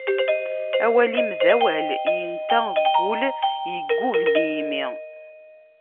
Awal-im d awal, yenta deg ul, yeggugem yimi.